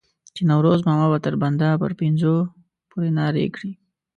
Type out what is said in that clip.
چې نوروز ماما به تر بنده په پنځو روپو نارې کړې.